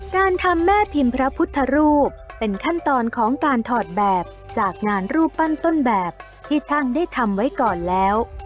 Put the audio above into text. การทำแม่พิมพ์พระพุทธรูปเป็นขั้นตอนของการถอดแบบจากงานรูปปั้นต้นแบบที่ช่างได้ทำไว้ก่อนแล้ว